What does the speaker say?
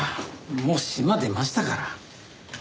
もう島出ましたから。